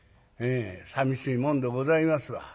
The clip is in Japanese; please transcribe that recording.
さみしいもんでございますわ。